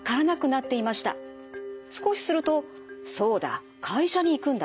少しすると「そうだ会社に行くんだ。